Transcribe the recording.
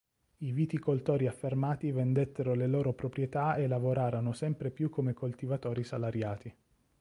I viticoltori affermati vendettero le loro proprietà e lavorarono sempre più come coltivatori salariati.